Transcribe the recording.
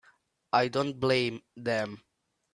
I don't blame them.